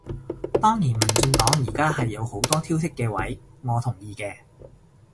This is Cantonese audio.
當然民進黨而家係有好多挑剔嘅位，我同意嘅